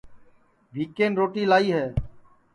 بھیکن روٹی لائی ہے